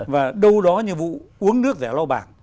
và đâu đó như vụ uống nước vẻ lao bảng